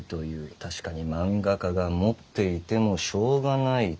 確かに漫画家が持っていてもしょうがない土地だ。